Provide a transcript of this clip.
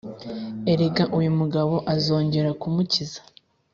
erega uyu mugabo azongera kumukiza.